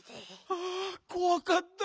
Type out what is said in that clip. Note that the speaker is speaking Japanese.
ああこわかった。